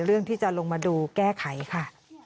เรื่องที่จะลงมาดูแก้ไขค่ะ